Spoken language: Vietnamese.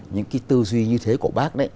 những cái tư duy như thế của bác